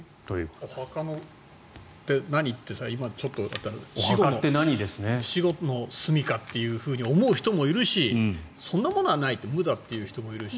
お墓って何？って今ちょっと死後のすみかと思う人もいるしそんなものはないと無だという人もいるし。